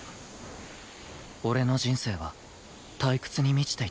俺の人生は退屈に満ちていた